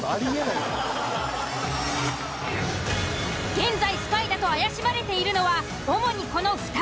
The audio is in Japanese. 現在スパイだと怪しまれているのは主にこの２人。